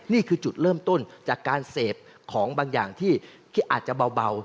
นี่คือจุดเริ่มต้นจากการเสพของบางอย่างที่อาจจะเบา